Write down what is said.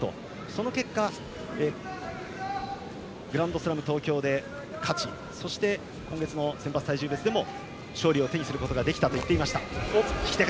その結果グランドスラム東京で勝ちそして、今月の選抜体重別でも勝利を手にすることができたと言っていました。